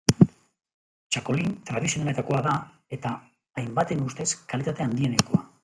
Txakolin tradizionaletakoa da eta, hainbaten ustez kalitate handienekoa.